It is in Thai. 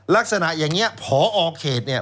ลักษณะอย่างนี้พอเขตเนี่ย